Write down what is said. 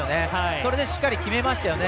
それでしっかり決めましたよね。